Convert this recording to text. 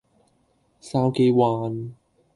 筲箕灣